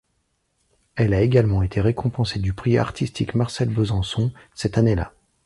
Elle a également été récompensée du prix artistique Marcel Bezençon cette année-là.